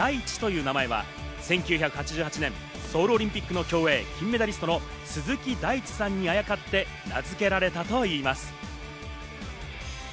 大地という名前は１９８８年ソウルオリンピックの競泳金メダリストの鈴木大地さんにあやかって名付けられたといいます。